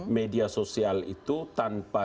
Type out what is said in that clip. media sosial itu tanpa